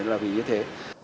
đấy là vì như thế